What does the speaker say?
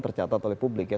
tercatat oleh publik ya